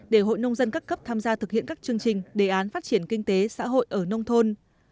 để hội nông dân các cấp tham gia thực hiện các chương trình đề án phát triển kinh tế xã hội ở nông thôn